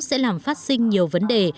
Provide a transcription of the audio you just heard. sẽ làm phát sinh nhiều vấn đề